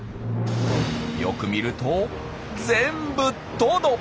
よく見ると全部トド！